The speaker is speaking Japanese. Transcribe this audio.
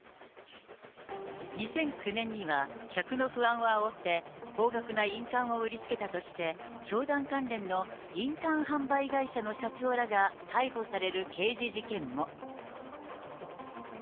２００９年には、客の不安をあおって、高額な印鑑を売りつけたとして、教団関連の印鑑販売会社の社長らが逮捕される刑事事件も。